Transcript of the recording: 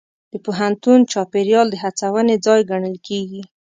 د پوهنتون چاپېریال د هڅونې ځای ګڼل کېږي.